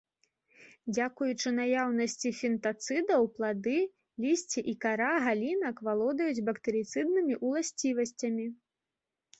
Дзякуючы наяўнасці фітанцыдаў плады, лісце і кара галінак валодаюць бактэрыцыднымі ўласцівасцямі.